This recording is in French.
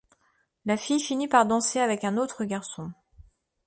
La fille finit par danser avec un autre garçon.